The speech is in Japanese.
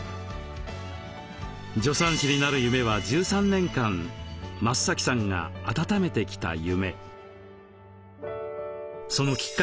助産師になる夢は１３年間増さんがあたためてきた夢。